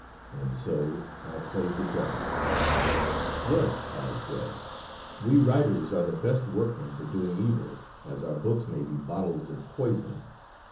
And so I played the devil. "'Yes,' I said, 'we writers are the best workmen for doing evil, as our books may be bottles of poison.